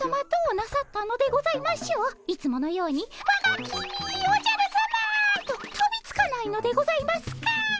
いつものように「わがきみ！おじゃるさま！」ととびつかないのでございますか？